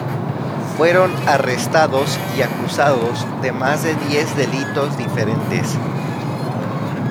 Fueron arrestados y acusados de más de diez delitos diferentes.